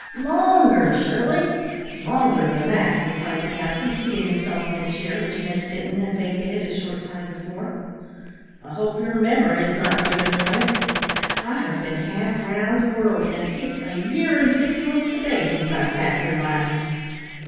"Longer, Shirley, longer than that," replied the captain, seating himself in the chair which Ned Sinton had vacated a short time before. "I hope your memory is not giving way. I have been half round the world, and it's a year and six months to day since I sat here last."